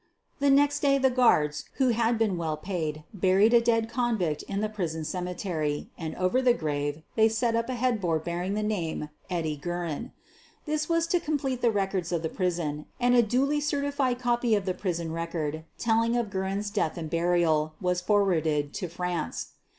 The next day the guards, who had been well paid, buried a dead convict in the prison cemetery, and over the grave U SOPHIE LYONS they set tip a headboard bearing the name " Eddie Guerin." This was to complete the records of the prison, and a dnly certified copy of the prison rec ord, telling of Guerin 's death and burial, was for warded to France.